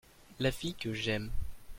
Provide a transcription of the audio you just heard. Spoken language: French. La fille que j'aime.